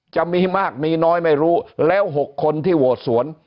จะมีมากมีน้อยไม่รู้แล้ว๖คนที่โหวตสวน